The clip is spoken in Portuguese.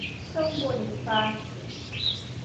São Bonifácio